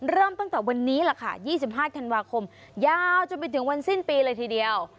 เริ่มตั้งแต่วันนี้แหละค่ะ๒๕ธันวาคมยาวจนไปถึงวันสิ้นปีเลยทีเดียว